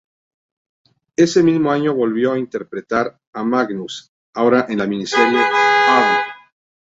Ese mismo año volvió a interpretar a Magnus, ahora en la miniserie "Arn".